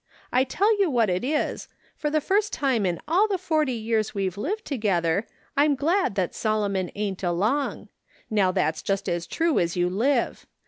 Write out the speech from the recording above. I tell you what it is, for the first time in all the forty years we've lived together, I'm glad that Solomon ain't along ! Now that's just as true as you live.